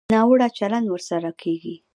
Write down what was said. ناوړه چلند ورسره کېږي.